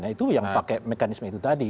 nah itu yang pakai mekanisme itu tadi